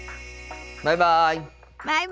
バイバイ。